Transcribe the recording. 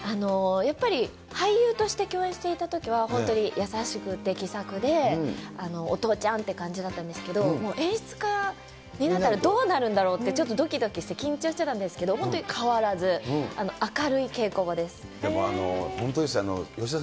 やっぱり、俳優として共演していたときは、本当に優しくて、気さくで、お父ちゃんって感じだったんですけど、もう演出家になったら、どうなるんだろうって、ちょっとどきどきして、緊張してたんですけど、本当に変わらず、でも、本当ですよ。